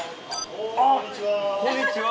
こんにちは。